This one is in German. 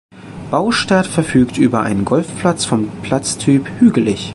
Baustert verfügt über einen Golfplatz vom Platz-Typ „hügelig“.